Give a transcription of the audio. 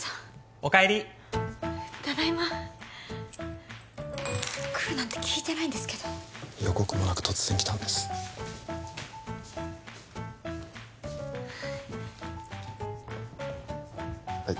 お帰りただいま来るなんて聞いてないんですけど予告もなく突然来たんですはい